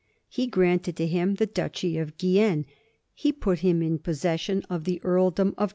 He granted to him the Duchy of Guienne; he put him in possession of the Earldom of 1787.